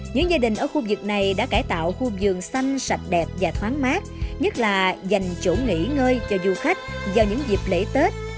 những gia đình ở khu vực này đã cải tạo khu vườn xanh sạch đẹp và thoáng mát nhất là dành chỗ nghỉ ngơi cho du khách do những dịp lễ tết